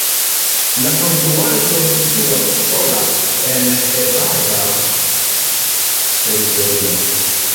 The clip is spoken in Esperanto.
La konstruaĵo situas sola en herba-arba teritorio.